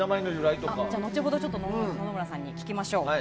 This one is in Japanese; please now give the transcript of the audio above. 後ほど野々村さんに聞きましょう。